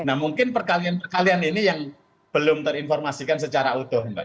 nah mungkin perkalian perkalian ini yang belum terinformasikan secara utuh mbak